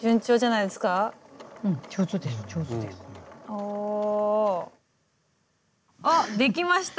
おお。あっできました！